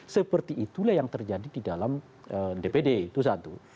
seperti itulah yang terjadi di dalam dpd itu satu